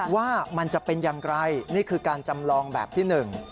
ว่ามันจะเป็นอย่างไรนี่คือการจำลองแบบที่หนึ่ง